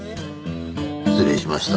失礼しました。